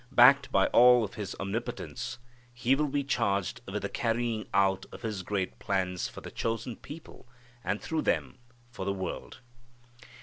Backed by all of His omnipotence, He will be charged with the carrying out of His great plans for the chosen people and through them for the world.